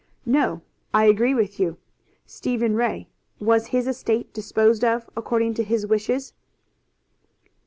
"No; I agree with you. Stephen Ray, was his estate disposed of according to his wishes?"